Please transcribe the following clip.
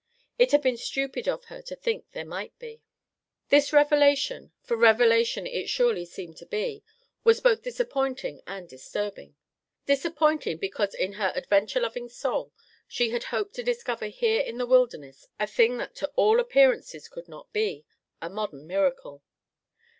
It had been stupid of her to think there might be. This revelation, for revelation it surely seemed to be, was both disappointing and disturbing. Disappointing, because in her adventure loving soul she had hoped to discover here in the wilderness a thing that to all appearances could not be—a modern miracle.